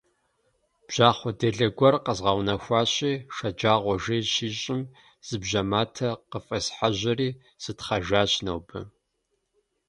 Бжьахъуэ делэ гуэр къэзгъэунэхуащи, шэджагъуэ жей щищӀым зы бжьэ матэ къыфӀесхьэжьэри сытхъэжащ нобэ.